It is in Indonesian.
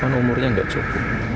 kan umurnya gak cukup